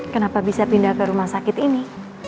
kenapa bisa pindah ke rumah sakit ini